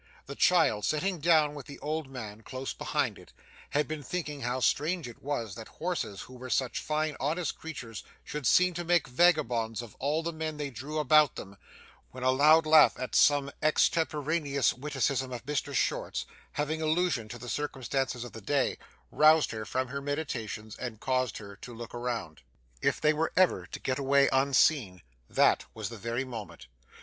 The child, sitting down with the old man close behind it, had been thinking how strange it was that horses who were such fine honest creatures should seem to make vagabonds of all the men they drew about them, when a loud laugh at some extemporaneous witticism of Mr Short's, having allusion to the circumstances of the day, roused her from her meditation and caused her to look around. If they were ever to get away unseen, that was the very moment.